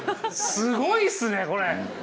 すごいっすねこれ。